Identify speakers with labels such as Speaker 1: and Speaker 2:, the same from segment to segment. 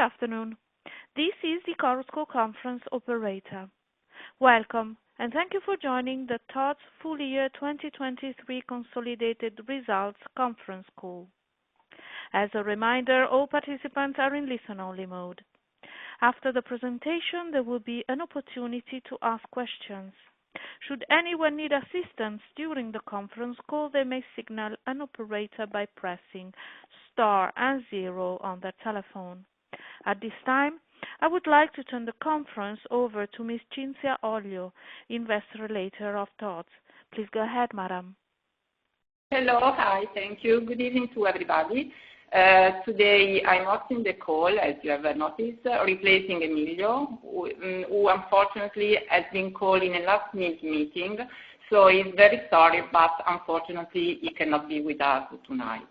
Speaker 1: Good afternoon. This is the Chorus Call Conference Operator. Welcome, and thank you for joining the TOD'S Full Year 2023 Consolidated Results Conference Call. As a reminder, all participants are in listen-only mode. After the presentation, there will be an opportunity to ask questions. Should anyone need assistance during the conference call, they may signal an operator by pressing star and zero on their telephone. At this time, I would like to turn the conference over to Ms. Cinzia Oglio, Investor Relations of TOD'S. Please go ahead, madam.
Speaker 2: Hello. Hi. Thank you. Good evening to everybody. Today I'm not in the call, as you have noticed, replacing Emilio, who, unfortunately, has been called in a last-minute meeting, so he's very sorry, but unfortunately he cannot be with us tonight.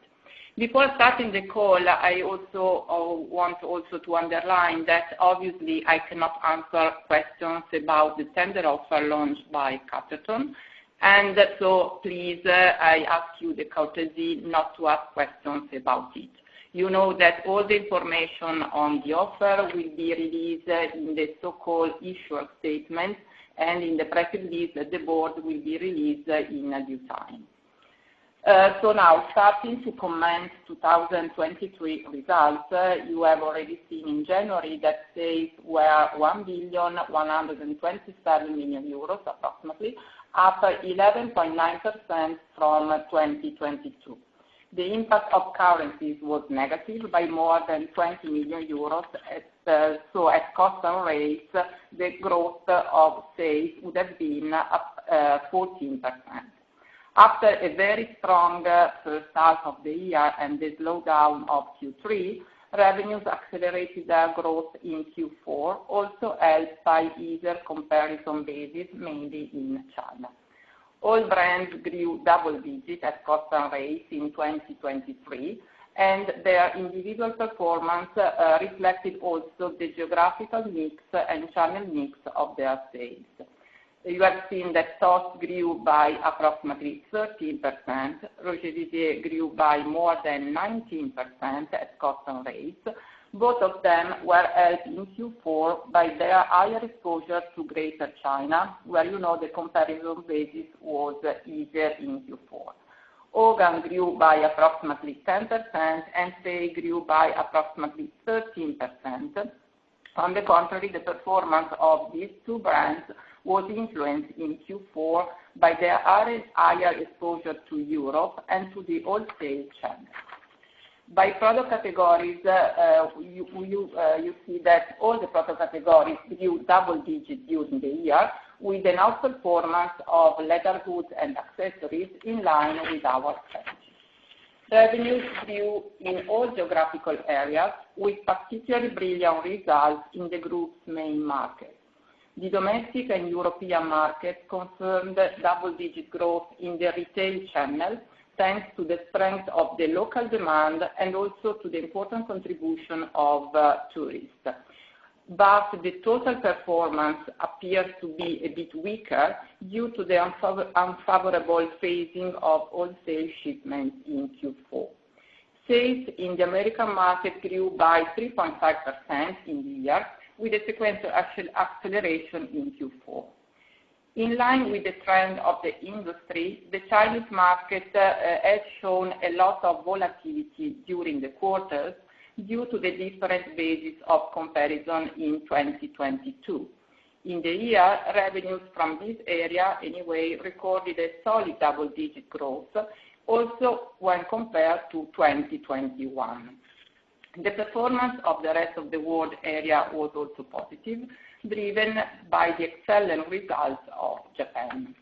Speaker 2: Before starting the call, I also want also to underline that obviously I cannot answer questions about the tender offer launched by L Catterton, and so please, I ask you the courtesy not to ask questions about it. You know that all the information on the offer will be released, in the so-called issuer statement and in the press release that the board will be released, in due time. So now, starting to comment 2023 results, you have already seen in January that sales were EUR 1,127 million approximately, up 11.9% from 2022. The impact of currencies was negative by more than 20 million euros, so at constant rates the growth of sales would have been up 14%. After a very strong first half of the year and the slowdown of Q3, revenues accelerated their growth in Q4, also helped by easier comparison basis mainly in China. All brands grew double-digit at constant rates in 2023, and their individual performance reflected also the geographical mix and channel mix of their sales. You have seen that TOD'S grew by approximately 13%, Roger Vivier grew by more than 19% at constant rates. Both of them were helped in Q4 by their higher exposure to Greater China, where you know the comparison basis was easier in Q4. Hogan grew by approximately 10%, and Fay grew by approximately 13%. On the contrary, the performance of these two brands was influenced in Q4 by their higher exposure to Europe and to the wholesale channel. By product categories, you see that all the product categories grew double-digit during the year, with an outperformance of leather goods and accessories in line with our strategy. Revenues grew in all geographical areas, with particularly brilliant results in the group's main markets. The domestic and European markets confirmed double-digit growth in the retail channel thanks to the strength of the local demand and also to the important contribution of tourists. But the total performance appears to be a bit weaker due to the unfavorable phasing of wholesale shipments in Q4. Sales in the American market grew by 3.5% in the year, with a sequential acceleration in Q4. In line with the trend of the industry, the Chinese market, has shown a lot of volatility during the quarters due to the different basis of comparison in 2022. In the year, revenues from this area, anyway, recorded a solid double-digit growth, also when compared to 2021. The performance of the rest of the world area was also positive, driven by the excellent results of Japan.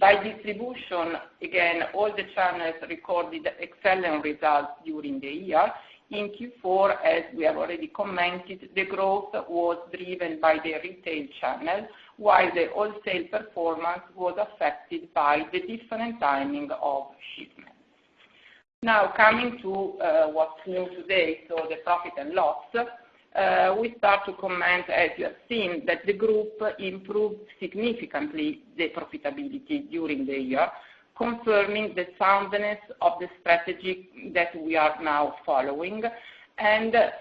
Speaker 2: By distribution, again, all the channels recorded excellent results during the year. In Q4, as we have already commented, the growth was driven by the retail channel, while the wholesale performance was affected by the different timing of shipments. Now, coming to, what's new today, so the profit and loss, we start to comment, as you have seen, that the group improved significantly the profitability during the year, confirming the soundness of the strategy that we are now following.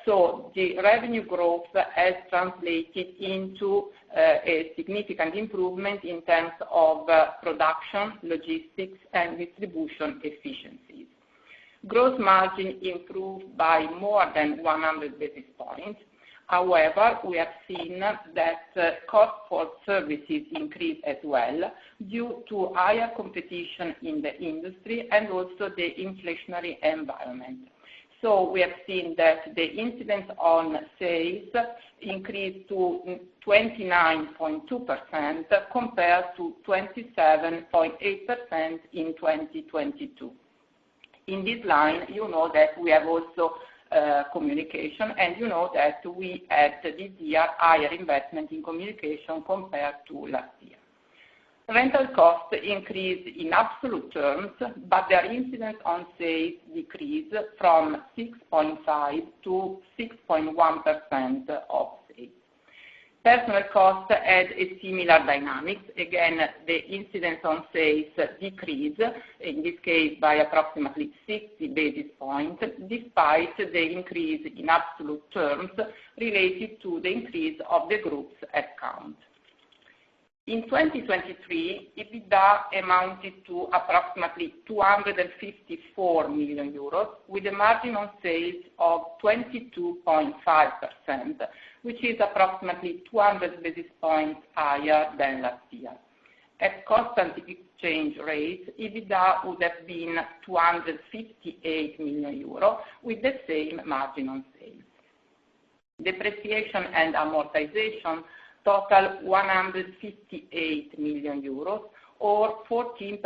Speaker 2: So the revenue growth has translated into a significant improvement in terms of production, logistics, and distribution efficiencies. Gross margin improved by more than 100 basis points. However, we have seen that cost for services increased as well due to higher competition in the industry and also the inflationary environment. We have seen that the incidence on sales increased to 29.2% compared to 27.8% in 2022. In this line, you know that we have also communication, and you know that we had this year higher investment in communication compared to last year. Rental costs increased in absolute terms, but their incidence on sales decreased from 6.5% to 6.1% of sales. Personal costs had a similar dynamic. Again, the incidence on sales decreased, in this case by approximately 60 basis points, despite the increase in absolute terms related to the increase of the group's headcount. In 2023, EBITDA amounted to approximately 254 million euros, with a margin on sales of 22.5%, which is approximately 200 basis points higher than last year. At constant exchange rates, EBITDA would have been 258 million euro, with the same margin on sales. Depreciation and amortization totaled 158 million euros, or 14%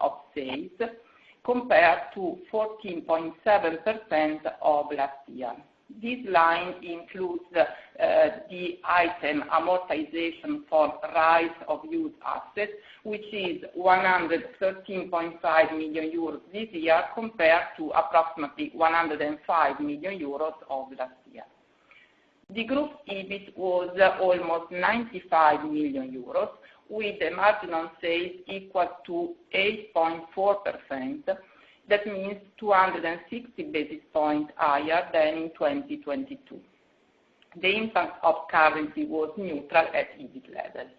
Speaker 2: of sales, compared to 14.7% of last year. This line includes the item amortization of right-of-use assets, which is 113.5 million euros this year compared to approximately 105 million euros of last year. The group's EBIT was almost 95 million euros, with a margin on sales equal to 8.4%. That means 260 basis points higher than in 2022. The impact of currency was neutral at EBIT level.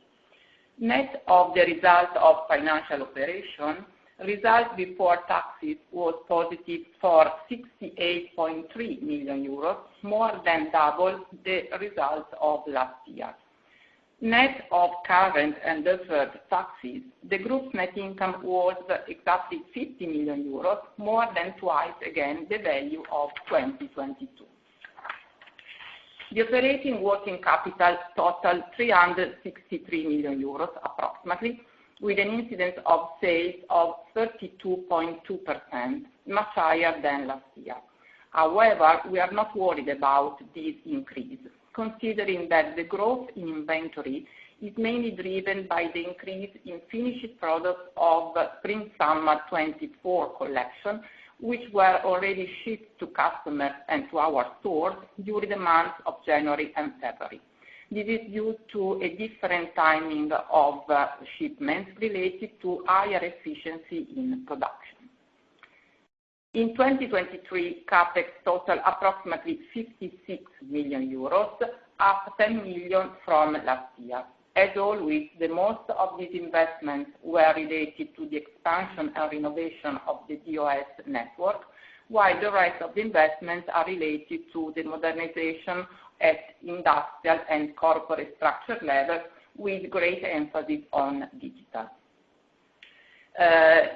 Speaker 2: Net of the results of financial operation, results before taxes, was positive for 68.3 million euros, more than double the results of last year. Net of current and deferred taxes, the group's net income was exactly 50 million euros, more than twice again the value of 2022. The operating working capital totaled 363 million euros, approximately, with an incidence of sales of 32.2%, much higher than last year. However, we are not worried about this increase, considering that the growth in inventory is mainly driven by the increase in finished products of Spring/Summer 2024 collection, which were already shipped to customers and to our stores during the months of January and February. This is due to a different timing of shipments related to higher efficiency in production. In 2023, CapEx totaled approximately 56 million euros, up 10 million from last year. As always, the most of these investments were related to the expansion and renovation of the DOS network, while the rest of the investments are related to the modernization at industrial and corporate structure level, with great emphasis on digital.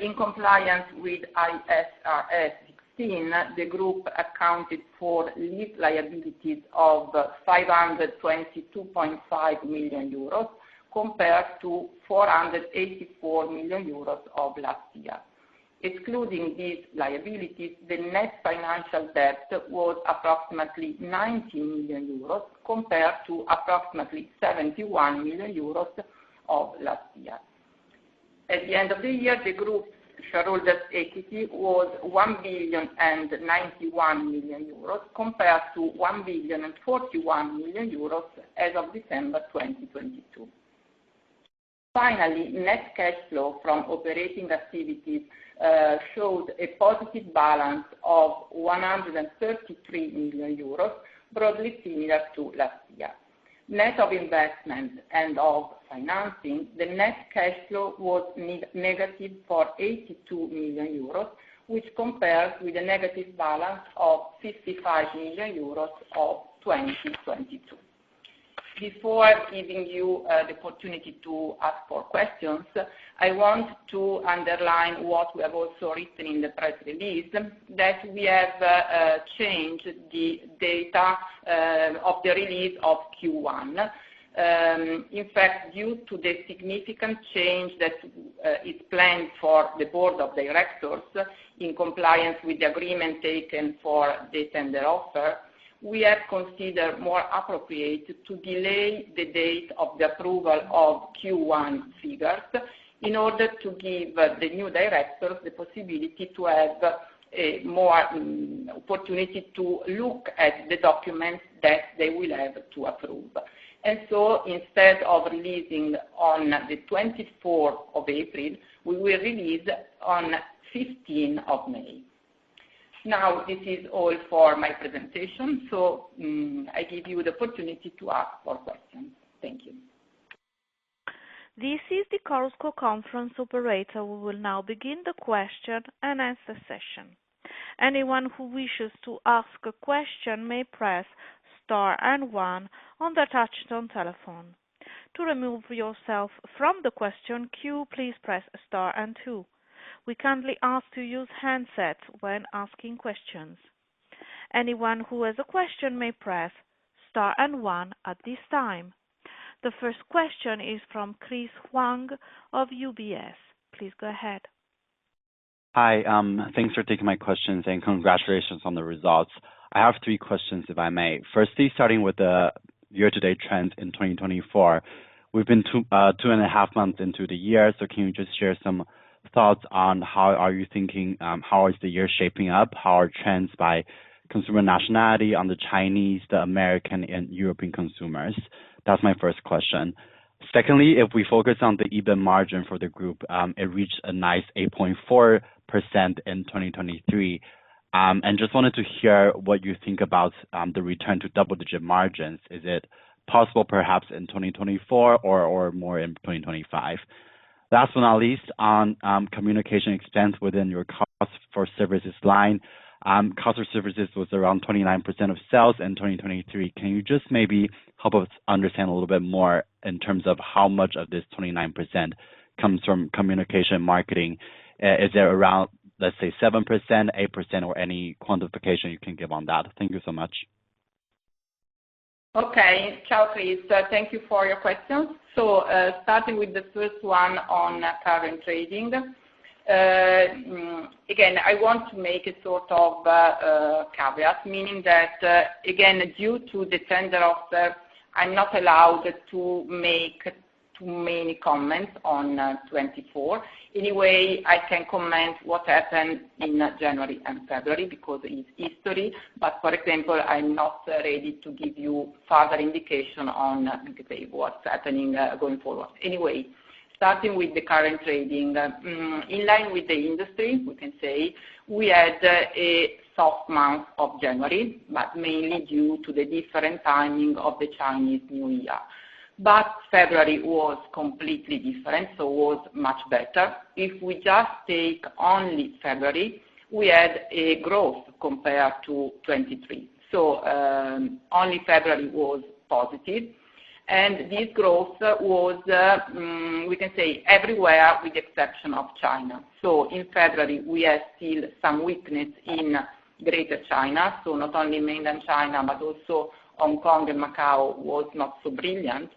Speaker 2: In compliance with IFRS 16, the group accounted for lease liabilities of 522.5 million euros compared to 484 million euros of last year. Excluding these liabilities, the net financial debt was approximately 90 million euros compared to approximately 71 million euros of last year. At the end of the year, the group's shareholders' equity was 1.091 billion compared to 1.041 billion as of December 2022. Finally, net cash flow from operating activities showed a positive balance of 133 million euros, broadly similar to last year. Net of investment and of financing, the net cash flow was negative for 82 million euros, which compares with a negative balance of 55 million euros of 2022. Before giving you the opportunity to ask more questions, I want to underline what we have also written in the press release, that we have changed the date of the release of Q1. In fact, due to the significant change that is planned for the board of directors in compliance with the agreement taken for the tender offer, we have considered more appropriate to delay the date of the approval of Q1 figures in order to give the new directors the possibility to have more opportunity to look at the documents that they will have to approve. And so instead of releasing on the 24th of April, we will release on the 15th of May. Now, this is all for my presentation, so, I give you the opportunity to ask more questions. Thank you.
Speaker 1: This is the Chorus Call Conference Operator. We will now begin the question-and-answer session. Anyone who wishes to ask a question may press star and one on their touch-tone telephone. To remove yourself from the question queue, please press star and two. We kindly ask to use handset when asking questions. Anyone who has a question may press star and one at this time. The first question is from Chris Huang of UBS. Please go ahead.
Speaker 3: Hi. Thanks for taking my questions and congratulations on the results. I have three questions, if I may. Firstly, starting with the year-to-date trends in 2024. We've been 2, 2.5 months into the year, so can you just share some thoughts on how are you thinking, how is the year shaping up, how are trends by consumer nationality on the Chinese, the American, and European consumers? That's my first question. Secondly, if we focus on the EBIT margin for the group, it reached a nice 8.4% in 2023. Just wanted to hear what you think about, the return to double-digit margins. Is it possible, perhaps, in 2024 or, or more in 2025? Last but not least, on, communication expense within your costs for services line, costs for services was around 29% of sales in 2023. Can you just maybe help us understand a little bit more in terms of how much of this 29% comes from communication marketing? Is it around, let's say, 7%, 8%, or any quantification you can give on that? Thank you so much.
Speaker 2: Okay. Ciao, Chris. Thank you for your questions. So, starting with the first one on current trading, again, I want to make a sort of caveat, meaning that, again, due to the tender offer, I'm not allowed to make too many comments on 2024. Anyway, I can comment what happened in January and February because it's history. But, for example, I'm not ready to give you further indication on, let's say, what's happening going forward. Anyway, starting with the current trading, in line with the industry, we can say we had a soft month of January, but mainly due to the different timing of the Chinese New Year. But February was completely different, so it was much better. If we just take only February, we had a growth compared to 2023. So, only February was positive. And this growth was, we can say everywhere with the exception of China. So in February, we had still some weakness in Greater China, so not only mainland China, but also Hong Kong and Macau was not so brilliant.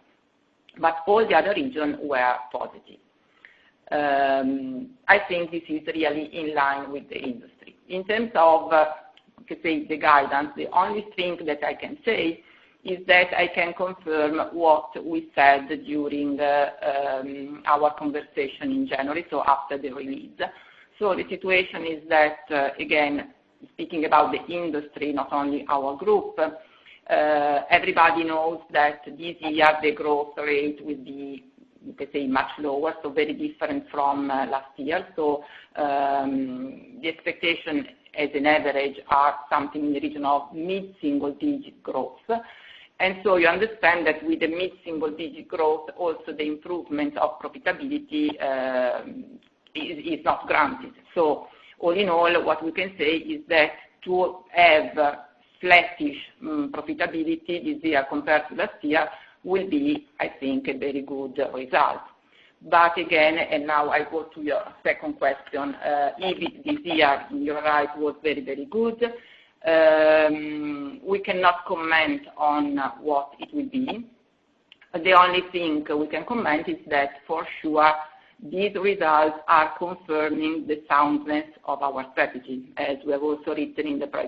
Speaker 2: But all the other regions were positive. I think this is really in line with the industry. In terms of, I can say, the guidance, the only thing that I can say is that I can confirm what we said during our conversation in January, so after the release. So the situation is that, again, speaking about the industry, not only our group, everybody knows that this year, the growth rate will be, you can say, much lower, so very different from last year. So, the expectation, as an average, are something in the region of mid-single-digit growth. And so you understand that with the mid-single-digit growth, also the improvement of profitability, is not granted. So all in all, what we can say is that to have flattish profitability this year compared to last year will be, I think, a very good result. But again, and now I go to your second question, EBIT this year, you're right, was very, very good. We cannot comment on what it will be. The only thing we can comment is that for sure, these results are confirming the soundness of our strategy, as we have also written in the press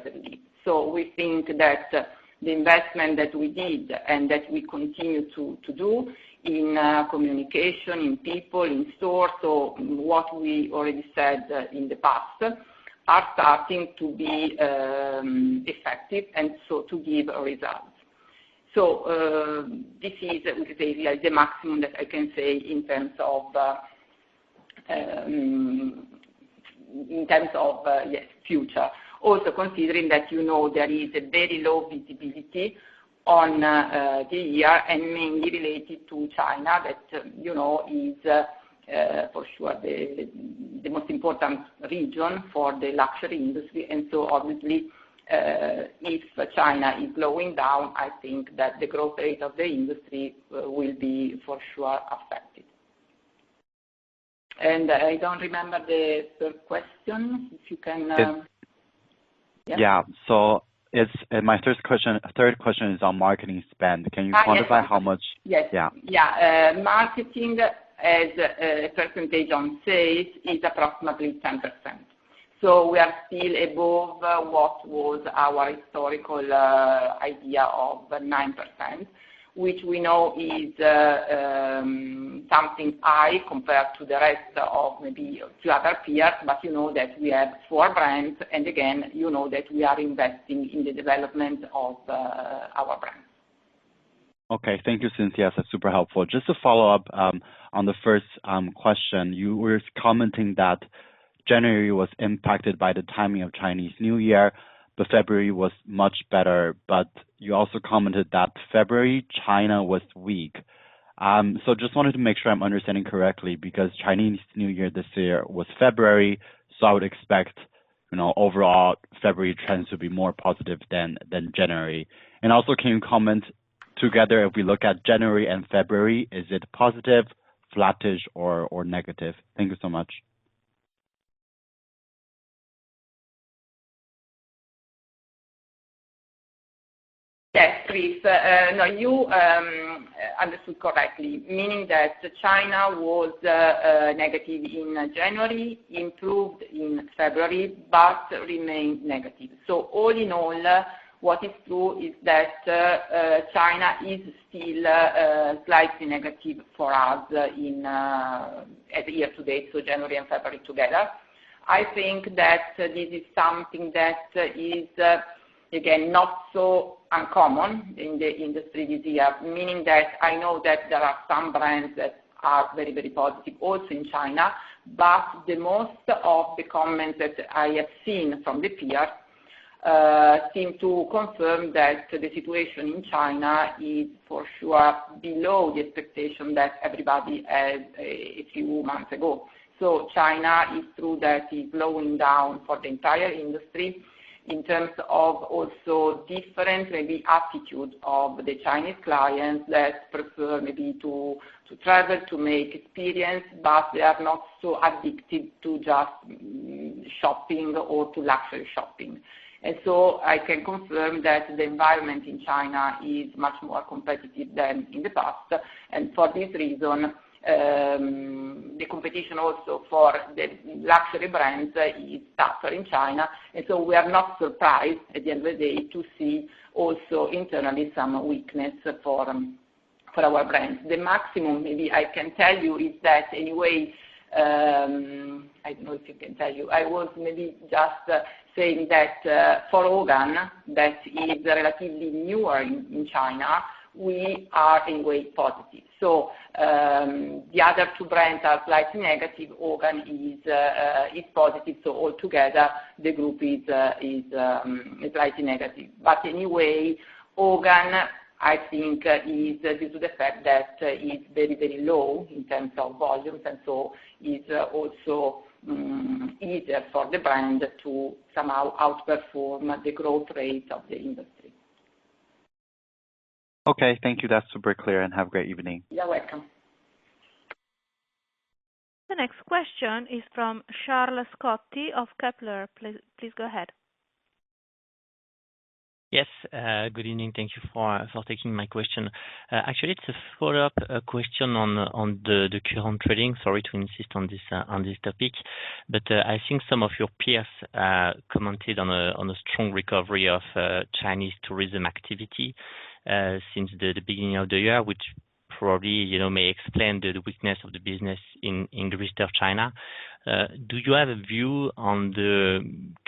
Speaker 2: release. So we think that the investment that we did and that we continue to do in communication, in people, in stores, so what we already said in the past, are starting to be effective and so to give results. So this is, we can say, really the maximum that I can say in terms of, in terms of, yes, future. Also considering that, you know, there is a very low visibility on the year and mainly related to China that, you know, is for sure the most important region for the luxury industry. And so obviously, if China is slowing down, I think that the growth rate of the industry will be for sure affected. And I don't remember the third question. If you can,
Speaker 3: Yes.
Speaker 2: Yeah.
Speaker 3: Yeah. So it's, my third question is on marketing spend. Can you quantify.
Speaker 2: Marketing.
Speaker 3: How much?
Speaker 2: Yes.
Speaker 3: Yeah.
Speaker 2: Yeah. Marketing as a percentage on sales is approximately 10%. So we are still above what was our historical idea of 9%, which we know is something high compared to the rest of maybe two other peers. But you know that we have four brands. And again, you know that we are investing in the development of our brand.
Speaker 3: Okay. Thank you, Cinzia. That's super helpful. Just to follow up on the first question, you were commenting that January was impacted by the timing of Chinese New Year. February was much better. But you also commented that February, China was weak. So just wanted to make sure I'm understanding correctly because Chinese New Year this year was February. So I would expect, you know, overall, February trends to be more positive than January. And also, can you comment, together if we look at January and February, is it positive, flattish, or negative? Thank you so much.
Speaker 2: Yes, Chris. No, you understood correctly, meaning that China was negative in January, improved in February, but remained negative. So all in all, what is true is that China is still slightly negative for us in as year-to-date, so January and February together. I think that this is something that is again not so uncommon in the industry this year, meaning that I know that there are some brands that are very, very positive also in China. But the most of the comments that I have seen from the peers seem to confirm that the situation in China is for sure below the expectation that everybody had a few months ago. So China is true that it's slowing down for the entire industry in terms of also different, maybe, attitude of the Chinese clients that prefer maybe to, to travel, to make experience, but they are not so addicted to just, shopping or to luxury shopping. And so I can confirm that the environment in China is much more competitive than in the past. And for this reason, the competition also for the luxury brands is tougher in China. And so we are not surprised, at the end of the day, to see also internally some weakness for, for our brands. The maximum maybe I can tell you is that, anyway, I don't know if you can tell you. I was maybe just saying that, for Hogan, that is relatively newer in, in China, we are in way positive. So, the other two brands are slightly negative. Hogan is, is positive. So altogether, the group is slightly negative. But anyway, Hogan, I think, is due to the fact that it's very, very low in terms of volumes. And so it's also easier for the brand to somehow outperform the growth rate of the industry.
Speaker 3: Okay. Thank you. That's super clear. And have a great evening.
Speaker 2: You're welcome.
Speaker 1: The next question is from Charles Scotti of Kepler. Please, please go ahead.
Speaker 4: Yes. Good evening. Thank you for taking my question. Actually, it's a follow-up question on the current trading. Sorry to insist on this topic. But I think some of your peers commented on a strong recovery of Chinese tourism activity since the beginning of the year, which probably, you know, may explain the weakness of the business in Greater China. Do you have a view on the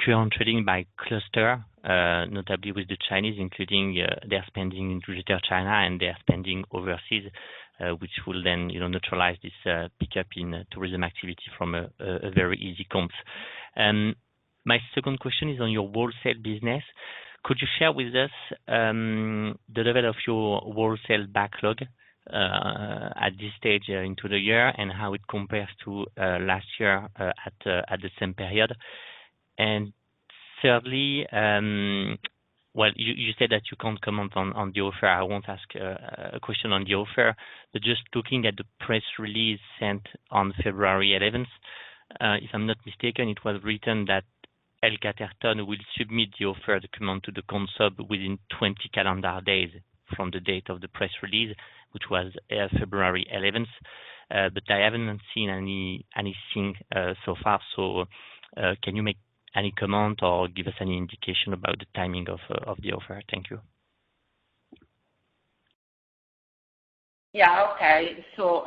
Speaker 4: current trading by cluster, notably with the Chinese, including their spending in Greater China and their spending overseas, which will then, you know, neutralize this pickup in tourism activity from a very easy comps? My second question is on your wholesale business. Could you share with us the level of your wholesale backlog at this stage into the year and how it compares to last year at the same period? And thirdly, well, you said that you can't comment on the offer. I won't ask a question on the offer. But just looking at the press release sent on February 11th, if I'm not mistaken, it was written that L Catterton will submit the offer document to the CONSOB within 20 calendar days from the date of the press release, which was February 11th. But I haven't seen anything so far. So, can you make any comment or give us any indication about the timing of the offer? Thank you.
Speaker 2: Yeah. Okay. So,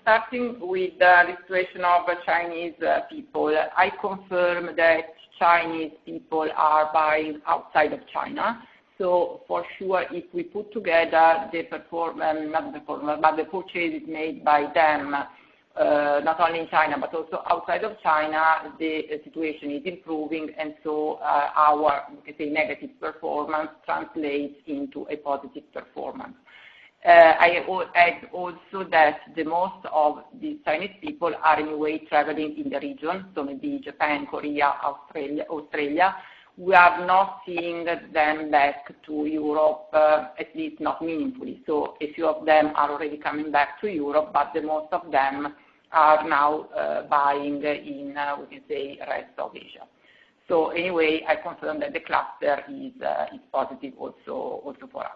Speaker 2: starting with the situation of Chinese people, I confirm that Chinese people are buying outside of China. So for sure, if we put together the performance not the performance, but the purchase is made by them, not only in China but also outside of China, the situation is improving. And so, our, you can say, negative performance translates into a positive performance. I would add also that the most of the Chinese people are, in a way, traveling in the region, so maybe Japan, Korea, Australia, Australia. We are not seeing them back to Europe, at least not meaningfully. So a few of them are already coming back to Europe, but the most of them are now, buying in, we can say, rest of Asia. So anyway, I confirm that the cluster is, is positive also, also for us.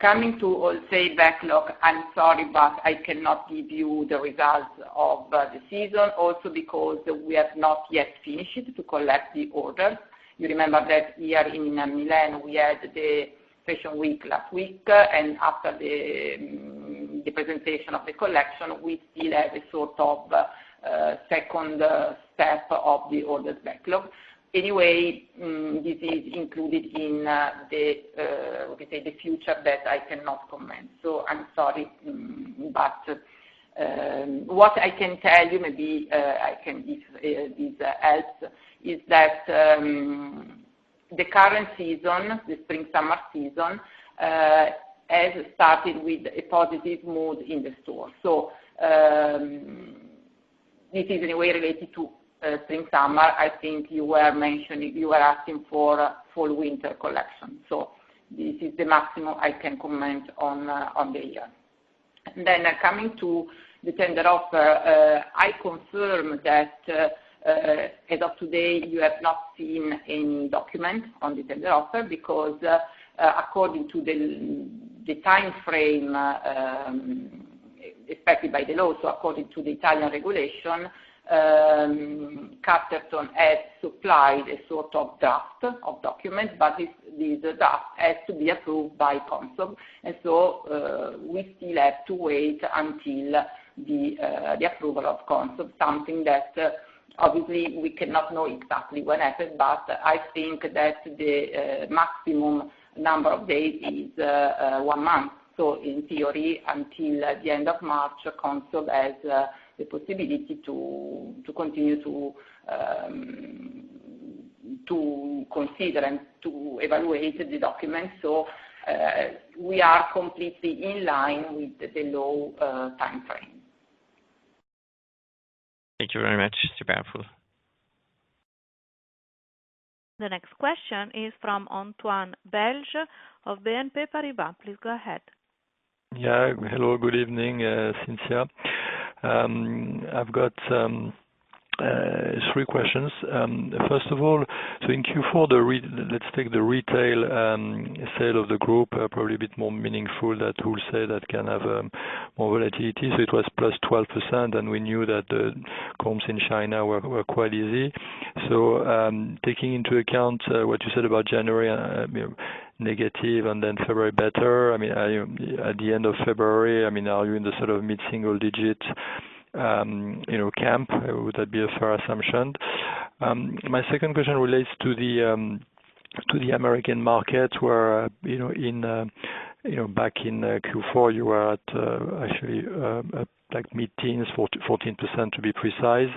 Speaker 2: Coming to, I'll say, backlog. I'm sorry, but I cannot give you the results of the season also because we have not yet finished it to collect the orders. You remember that here in Milan, we had the fashion week last week. And after the presentation of the collection, we still have a sort of second step of the orders backlog. Anyway, this is included in the, we can say, the future that I cannot comment. So I'm sorry, but what I can tell you maybe helps is that the current season, the spring-summer season, has started with a positive mood in the stores. So this is in a way related to spring-summer. I think you were mentioning you were asking for a full winter collection. So this is the maximum I can comment on the year. Coming to the tender offer, I confirm that, as of today, you have not seen any document on the tender offer because, according to the time frame expected by the law, so according to the Italian regulation, Catterton has supplied a sort of draft of documents. But this draft has to be approved by CONSOB. And so, we still have to wait until the approval of CONSOB, something that, obviously, we cannot know exactly when happens. But I think that the maximum number of days is one month. So in theory, until the end of March, CONSOB has the possibility to continue to consider and to evaluate the documents. So, we are completely in line with the law time frame.
Speaker 4: Thank you very much.
Speaker 1: The next question is from Antoine Belge of BNP Paribas. Please go ahead.
Speaker 5: Yeah. Hello. Good evening, Cinzia. I've got three questions. First of all, so in Q4, let's take the retail sales of the group, probably a bit more meaningful. That wholesale that can have more volatility. So it was +12%. And we knew that the comps in China were quite easy. So, taking into account what you said about January negative and then February better, I mean, at the end of February, I mean, are you in the sort of mid-single-digit, you know, camp? Would that be a fair assumption? My second question relates to the American markets where, you know, back in Q4, you were at actually like mid-teens, 14% to be precise.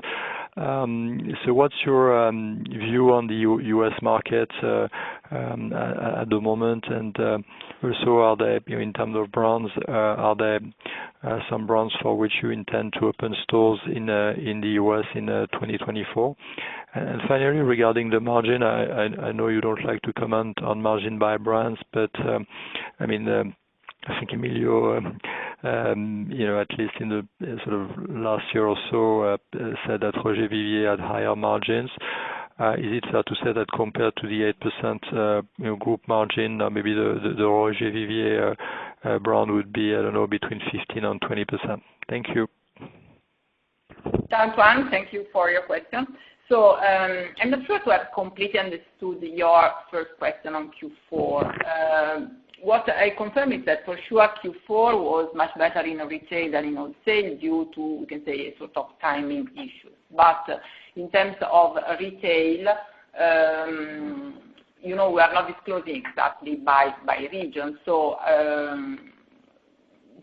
Speaker 5: So what's your view on the US markets at the moment? Also, are there, you know, in terms of brands, some brands for which you intend to open stores in the U.S. in 2024? And finally, regarding the margin, I know you don't like to comment on margins by brands. But I mean, I think Emilio, you know, at least in the sort of last year or so, said that Roger Vivier had higher margins. Is it fair to say that compared to the 8%, you know, group margin, maybe the Roger Vivier brand would be, I don't know, between 15%-20%? Thank you.
Speaker 2: So Antoine, thank you for your question. So, I'm not sure if I've completely understood your first question on Q4. What I confirm is that for sure, Q4 was much better in retail than in wholesale due to, we can say, sort of timing issues. But in terms of retail, you know, we are not disclosing exactly by region. So,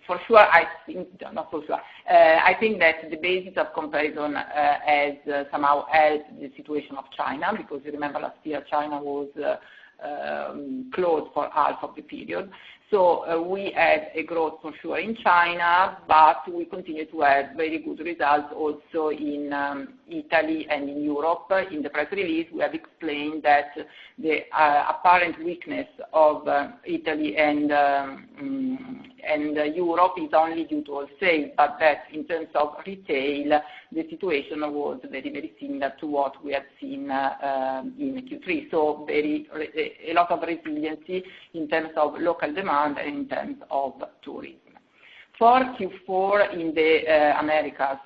Speaker 2: for sure, I think. Not for sure. I think that the basis of comparison has somehow helped the situation of China because you remember last year, China was closed for half of the period. So, we had a growth for sure in China. But we continue to have very good results also in Italy and in Europe. In the press release, we have explained that the apparent weakness of Italy and Europe is only due to wholesale. But in terms of retail, the situation was very, very similar to what we had seen in Q3. So a lot of resiliency in terms of local demand and in terms of tourism. For Q4 in the Americas,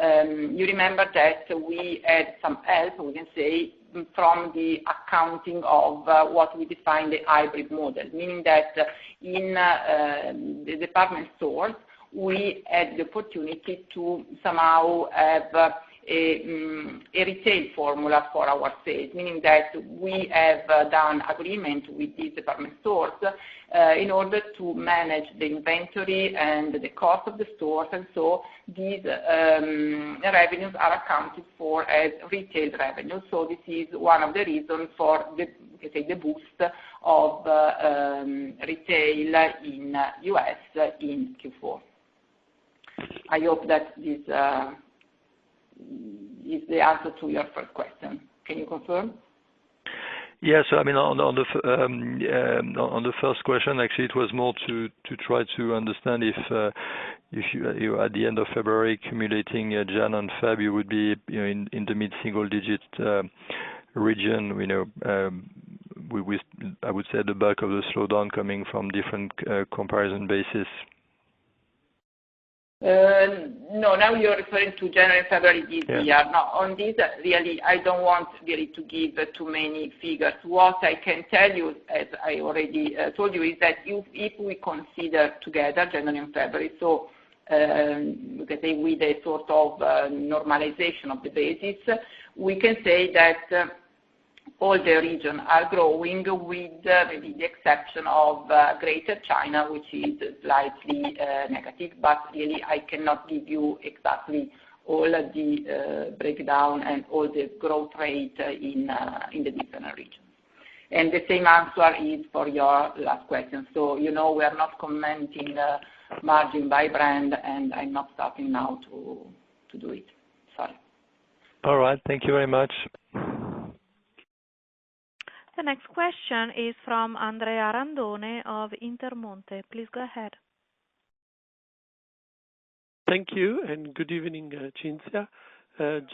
Speaker 2: you remember that we had some help, we can say, from the accounting of what we define the hybrid model, meaning that in the department stores, we had the opportunity to somehow have a retail formula for our sales, meaning that we have done agreement with these department stores, in order to manage the inventory and the cost of the stores. And so these revenues are accounted for as retail revenues. So this is one of the reasons for the, we can say, the boost of retail in the US in Q4. I hope that this is the answer to your first question. Can you confirm?
Speaker 5: Yeah. So I mean, on the first question, actually, it was more to try to understand if you at the end of February, accumulating January and February, you would be, you know, in the mid-single-digit region, you know, we I would say at the back of the slowdown coming from different comparison basis.
Speaker 2: No. Now, you're referring to January and February this year.
Speaker 5: Yeah.
Speaker 2: No. On this, really, I don't want, really, to give too many figures. What I can tell you, as I already told you, is that if we consider together January and February, so, we can say with a sort of normalization of the basis, we can say that all the regions are growing with maybe the exception of Greater China, which is slightly negative. But really, I cannot give you exactly all the breakdown and all the growth rate in the different regions. And the same answer is for your last question. So, you know, we are not commenting margin-by-brand. And I'm not starting now to do it. Sorry.
Speaker 5: All right. Thank you very much.
Speaker 1: The next question is from Andrea Randone of Intermonte. Please go ahead.
Speaker 6: Thank you. Good evening, Cinzia.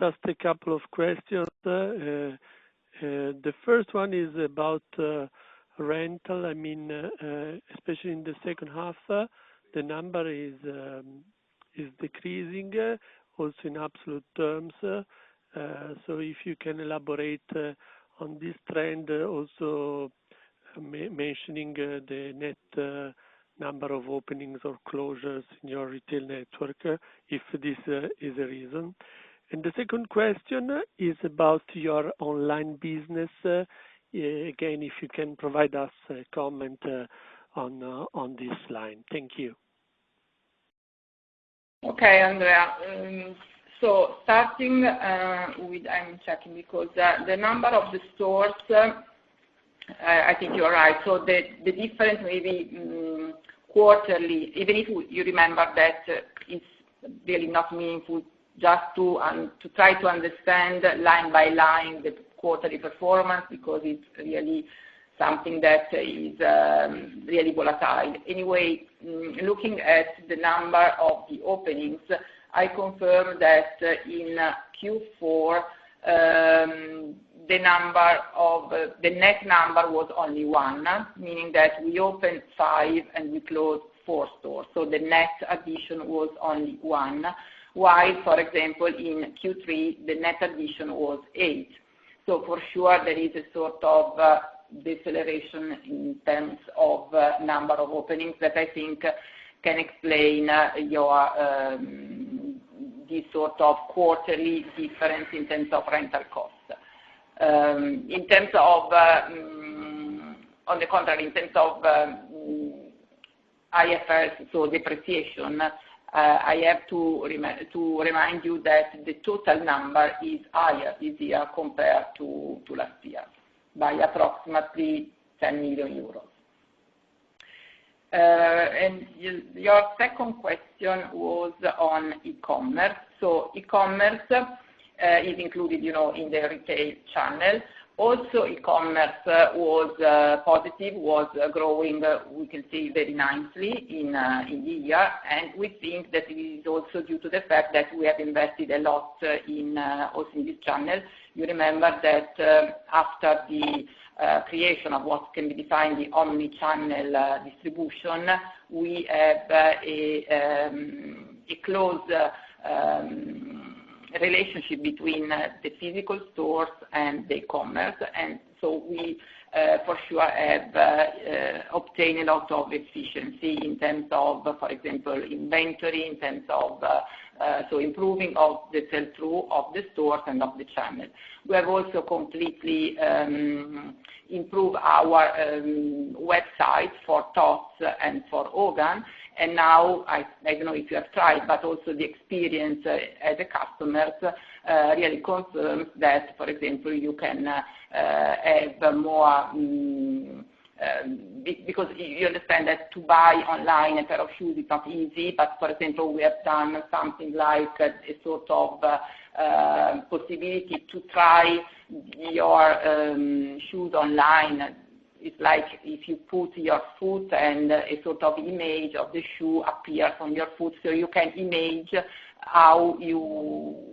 Speaker 6: Just a couple of questions. The first one is about rental. I mean, especially in the second half, the number is decreasing, also in absolute terms. So if you can elaborate on this trend, also mentioning the net number of openings or closures in your retail network, if this is a reason. And the second question is about your online business. Again, if you can provide us a comment on this line. Thank you.
Speaker 2: Okay, Andrea. So starting with, I'm checking because the number of the stores, I think you're right. So the difference maybe quarterly, even if you remember that it's really not meaningful just to try to understand line by line the quarterly performance because it's really something that is really volatile. Anyway, looking at the number of the openings, I confirm that in Q4, the net number was only 1, meaning that we opened 5 and we closed 4 stores. So the net addition was only 1, while, for example, in Q3, the net addition was 8. So for sure, there is a sort of deceleration in terms of number of openings that I think can explain your this sort of quarterly difference in terms of rental costs. In terms of, on the contrary, in terms of IFRS, so depreciation, I have to remind you that the total number is higher this year compared to last year by approximately EUR 10 million. Your second question was on e-commerce. So e-commerce is included, you know, in the retail channel. Also, e-commerce was positive, was growing, we can say, very nicely in the year. And we think that it is also due to the fact that we have invested a lot in, also in this channel. You remember that, after the creation of what can be defined the omnichannel distribution, we have a close relationship between the physical stores and the e-commerce. And so we, for sure, have obtained a lot of efficiency in terms of, for example, inventory, in terms of, so improving of the sell-through of the stores and of the channel. We have also completely improved our website for TOD'S and for Hogan. And now, I don't know if you have tried, but also the experience as a customer really confirms that, for example, you can have more because you understand that to buy online a pair of shoes is not easy. But, for example, we have done something like a sort of possibility to try your shoes online. It's like if you put your foot and a sort of image of the shoe appears on your foot. So you can imagine how you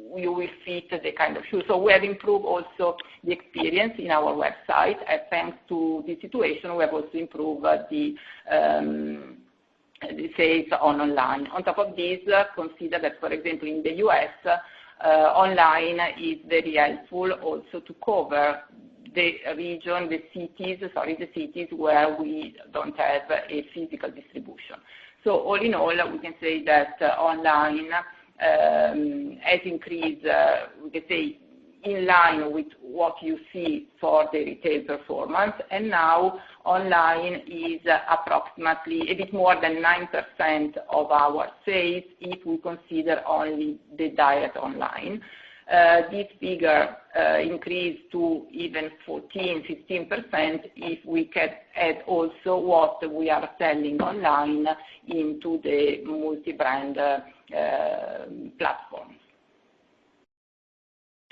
Speaker 2: will fit the kind of shoes. So we have improved also the experience in our website. And thanks to this situation, we have also improved the sales online. On top of this, consider that, for example, in the US, online is very helpful also to cover the region, the cities sorry, the cities where we don't have a physical distribution. So all in all, we can say that online has increased, we can say, in line with what you see for the retail performance. And now, online is approximately a bit more than 9% of our sales if we consider only the direct online. This figure increased to even 14%-15% if we can add also what we are selling online into the multi-brand platform.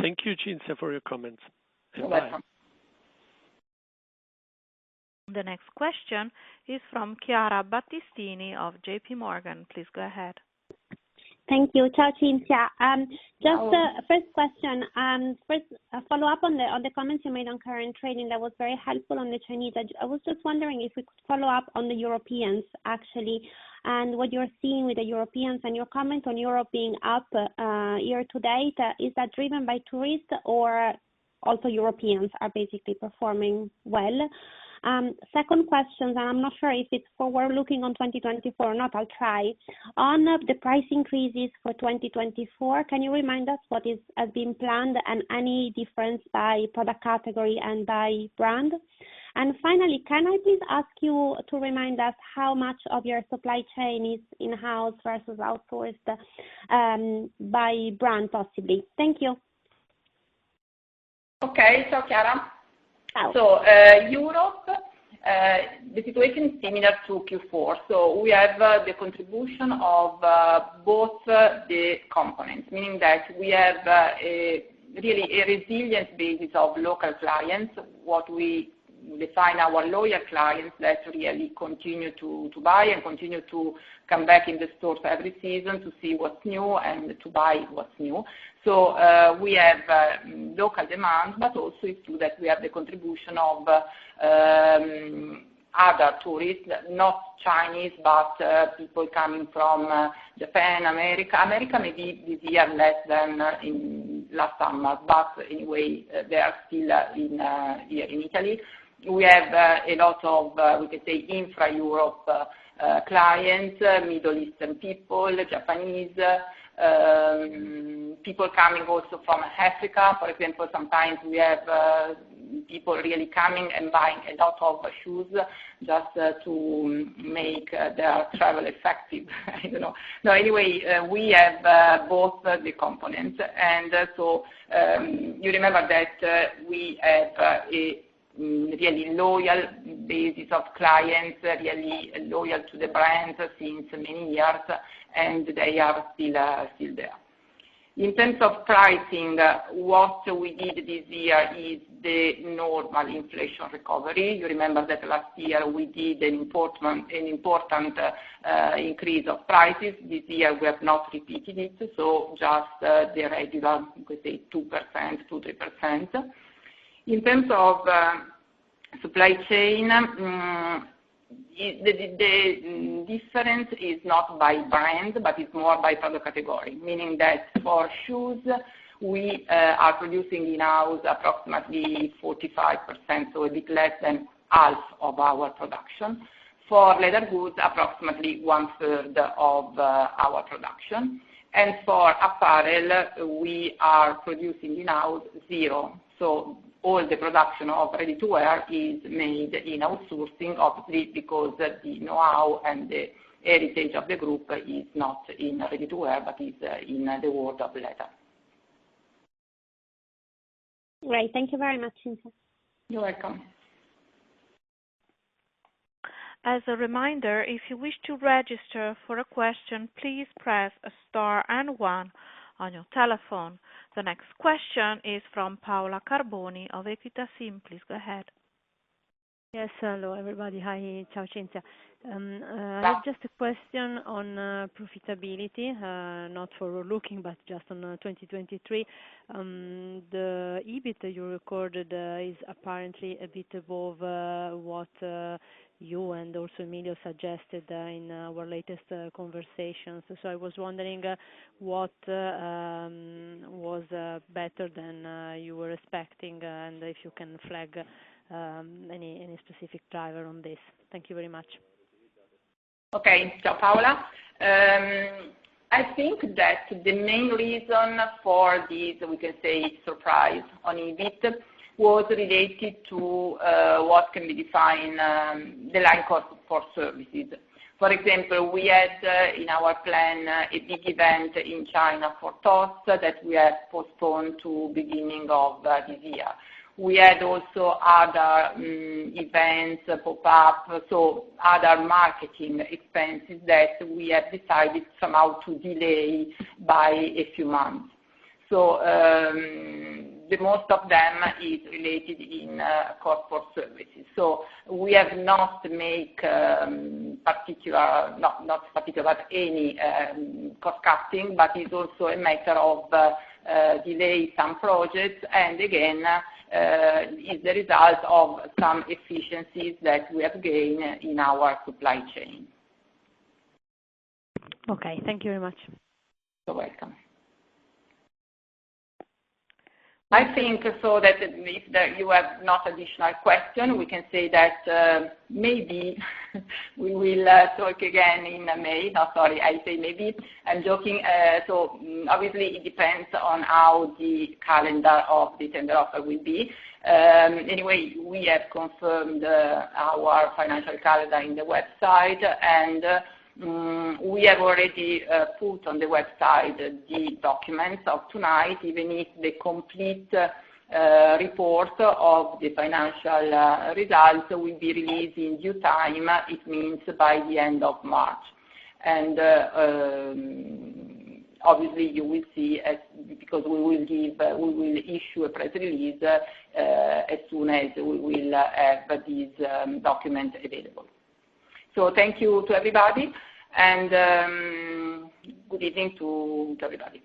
Speaker 6: Thank you, Cinzia, for your comments. Bye.
Speaker 2: You're welcome.
Speaker 1: The next question is from Chiara Battistini of JP Morgan. Please go ahead.
Speaker 7: Thank you. Ciao, Cinzia.
Speaker 2: Hello.
Speaker 7: First question. First, follow up on the comments you made on current trading. That was very helpful on the Chinese. I was just wondering if we could follow up on the Europeans, actually, and what you're seeing with the Europeans and your comment on Europe being up year-to-date. Is that driven by tourists or also Europeans basically performing well? Second question, and I'm not sure if it's for 2024 or not. I'll try. On the price increases for 2024, can you remind us what has been planned and any difference by product category and by brand? And finally, can I please ask you to remind us how much of your supply chain is in-house versus outsourced, by brand, possibly? Thank you.
Speaker 2: Okay. So, Chiara.
Speaker 7: Oh.
Speaker 2: So, Europe, the situation is similar to Q4. So we have the contribution of both the components, meaning that we have really a resilient basis of local clients, what we define our loyal clients that really continue to buy and continue to come back in the stores every season to see what's new and to buy what's new. So we have local demand. But also, it's true that we have the contribution of other tourists, not Chinese, but people coming from Japan, America. America maybe this year less than in last summer. But anyway, they are still here in Italy. We have a lot of, we can say, intra-Europe clients, Middle Eastern people, Japanese, people coming also from Africa. For example, sometimes we have people really coming and buying a lot of shoes just to make their travel effective. I don't know. No, anyway, we have both the components. And so, you remember that we have a really loyal basis of clients, really loyal to the brands since many years. And they are still there. In terms of pricing, what we did this year is the normal inflation recovery. You remember that last year, we did an important, an important increase of prices. This year, we have not repeated it. So just the regular, we can say, 2%-3%. In terms of supply chain, the difference is not by brand, but it's more by product category, meaning that for shoes, we are producing in-house approximately 45%, so a bit less than half of our production. For leather goods, approximately one-third of our production. And for apparel, we are producing in-house zero. All the production of ready-to-wear is made in outsourcing, obviously, because the know-how and the heritage of the group is not in ready-to-wear but is, in the world of leather.
Speaker 7: Great. Thank you very much, Cinzia.
Speaker 2: You're welcome.
Speaker 1: As a reminder, if you wish to register for a question, please press a star and one on your telephone. The next question is from Paola Carboni of EQUITA SIM. Please go ahead.
Speaker 8: Yes. Hello, everybody. Hi. Ciao, Cinzia.
Speaker 2: Hi.
Speaker 8: I have just a question on profitability, not forward-looking but just on 2023. The EBIT that you recorded is apparently a bit above what you and also Emilio suggested in our latest conversations. So I was wondering what was better than you were expecting, and if you can flag any, any specific driver on this. Thank you very much.
Speaker 2: Okay. Ciao, Paola. I think that the main reason for this, we can say, surprise on EBIT was related to what can be defined as the line cost for services. For example, we had, in our plan, a big event in China for Tod's that we have postponed to beginning of this year. We had also other events, pop-up, so other marketing expenses that we have decided somehow to delay by a few months. So, the most of them is related in cost for services. So we have not made any cost-cutting. But it's also a matter of delaying some projects. And again, it's the result of some efficiencies that we have gained in our supply chain.
Speaker 8: Okay. Thank you very much.
Speaker 2: You're welcome. I think so that if there you have not additional question, we can say that, maybe we will talk again in May. No, sorry. I say maybe. I'm joking. So, obviously, it depends on how the calendar of the tender offer will be. Anyway, we have confirmed our financial calendar in the website. And we have already put on the website the documents of tonight, even if the complete report of the financial results will be released in due time, it means by the end of March. And, obviously, you will see as because we will give, we will issue a press release, as soon as we will have these documents available. So thank you to everybody. And good evening to everybody.